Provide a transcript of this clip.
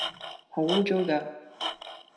好污糟㗎